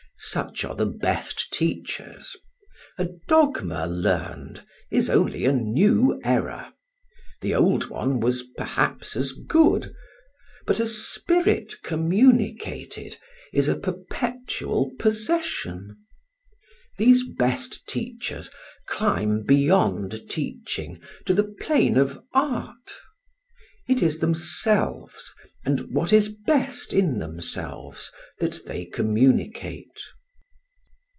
Such are the best teachers: a dogma learned is only a new error the old one was perhaps as good; but a spirit communicated is a perpetual possession. These best teachers climb beyond teaching to the plane of art; it is themselves, and what is best in themselves, that they communicate.